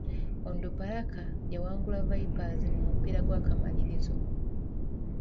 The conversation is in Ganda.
Onduparaka yawangulwa Vipers mu mupiira gw'akamalirizo.